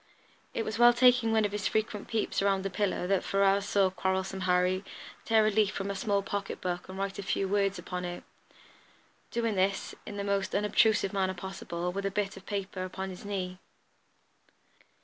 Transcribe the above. It was while taking one of his frequent peeps around this pillar that Ferrars saw "Quarrelsome Harry" tear a leaf from a small pocket book and write a few words upon it, doing this in the most unobtrusive manner possible, with the bit of paper upon his knee.